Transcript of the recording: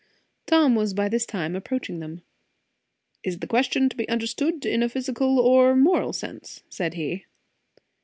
Tom was by this time approaching them. "Is the question to be understood in a physical or moral sense?" said he.